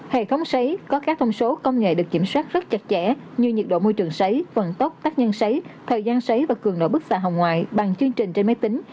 hệ thống xấy có các thông số công nghệ được kiểm soát rất chặt chẽ như nhiệt độ môi trường xấy phần tốc tắc nhân xấy thời gian xấy và cường độ bức xạ hồng ngoại bằng chương trình trên máy tính